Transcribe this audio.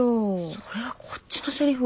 それはこっちのセリフ。